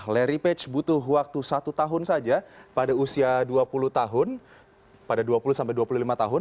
larry page butuh waktu satu tahun saja pada usia dua puluh dua puluh lima tahun